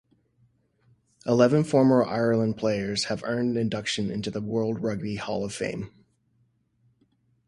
Eleven former Ireland players have earned induction into the World Rugby Hall of Fame.